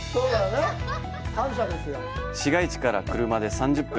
市街地から車で３０分。